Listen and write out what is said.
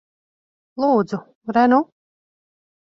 Lūdzu. Re nu.